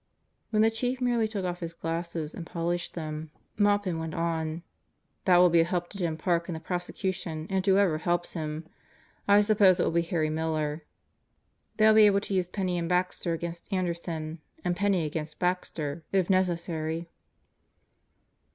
When the Chief merely took off his glasses and polished them, 6 God Goes to Murderer's Row Maupin went on, "That will be a help to Jim Park in the prosecu tion and to whoever helps him. I suppose it will be Harry Miller. They'll be able to use Penney and Baxter against Ander son, and Penney against Baxter if necessary."